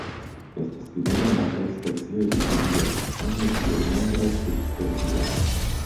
Estas kvin konataj specioj de kivio, same kiel nombraj subspecioj.